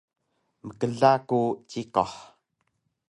mkla ku cikuh